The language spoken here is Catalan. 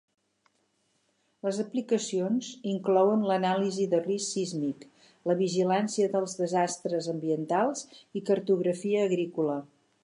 Les aplicacions inclouen l'anàlisi de risc sísmic, la vigilància dels desastres ambientals i cartografia agrícola.